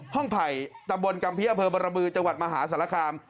ห้องไผ่จับบนกรรมพิเศษบรมมือจังหวัดมหาศาลคาม